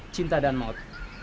cinta dan maut